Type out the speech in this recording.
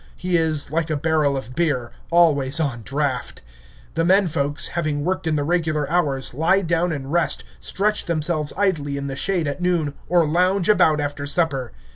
He is, like a barrel of beer, always on draft. The men folks, having worked in the regular hours, lie down and rest, stretch themselves idly in the shade at noon, or lounge about after supper.